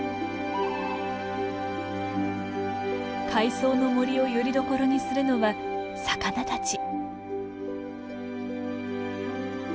海藻の森をよりどころにするのは魚たち。